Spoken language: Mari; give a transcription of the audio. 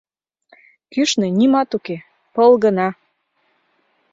Кӱшнӧ нимат уке, пыл гына.